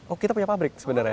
oh kita punya pabrik sebenarnya